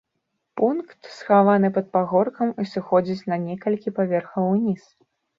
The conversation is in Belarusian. Пункт, схаваны пад пагоркам і сыходзіць на некалькі паверхаў уніз.